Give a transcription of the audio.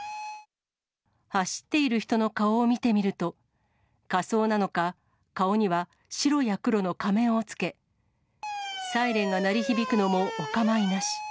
走っている人の顔を見てみると、仮装なのか、顔には白や黒の仮面を着け、サイレンが鳴り響くのもお構いなし。